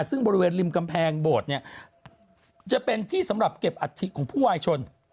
ซึ่งบริเวณริมกำแพงโบสถ์เนี่ยจะเป็นที่สำหรับเก็บอัฐิของผู้วายชน